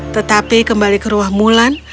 tetapi kembali ke rumah mulan